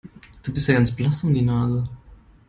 Du bist ja ganz blass um die Nase.